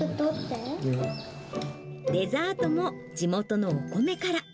デザートも地元のお米から。